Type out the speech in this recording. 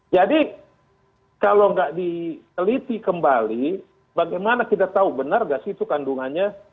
jadi kalau nggak diteliti kembali bagaimana kita tahu benar nggak sih itu kandungannya